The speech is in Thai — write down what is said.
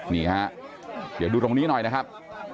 นี่ฮะเดี๋ยวดูตรงนี้หน่อยนะครับ